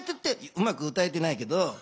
うまく歌えてないけど。